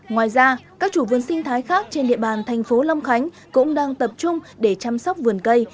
ngoài ra các chủ vườn sinh thái khác trên địa bàn thành phố long khánh cũng đang tập trung để chăm sóc vườn cây